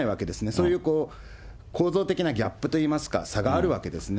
そういう構造的なギャップといいますか、差があるわけですね。